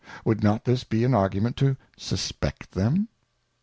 Would not this be an Argument to suspect them